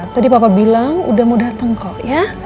tadi papa bilang udah mau datang kok ya